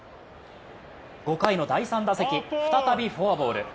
５回の第３打席、再びフォアボール。